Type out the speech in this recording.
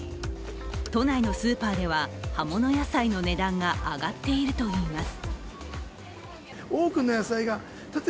都内のスーパーでは葉物野菜の値段が上がっているといいます。